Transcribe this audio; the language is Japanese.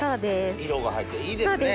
色が入っていいですね。